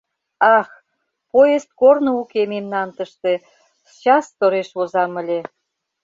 Ах, поезд корно уке мемнан тыште — счас тореш возам ыле.